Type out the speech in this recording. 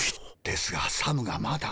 ですがサムがまだ。